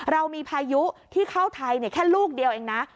เรามีพายุที่เข้าไทยแค่ลูกเดียวเองนะ